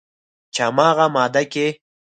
چې همغه ماده کې